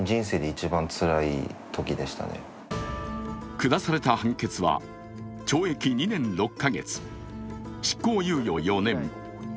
下された判決は懲役２年６か月、執行猶予４年。